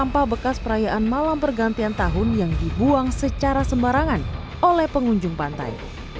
sampah bekas perayaan malam pergantian tahun yang dibuang secara sembarangan oleh pengunjung pantai